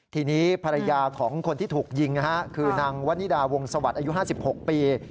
ทีนี้ภรรยาของคนที่ถูกยิงคือนางวันนิดาวงสวัสดิ์อายุ๕๖ปี